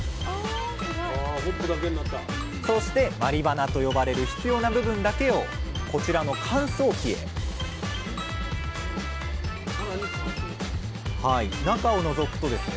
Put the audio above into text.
そして毬花と呼ばれる必要な部分だけをこちらの乾燥機へ中をのぞくとですね